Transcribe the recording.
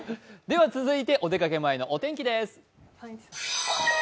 続いて、お出かけ前のお天気です。